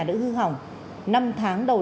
đã hư hỏng năm tháng đầu